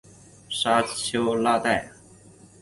沙瑟拉代。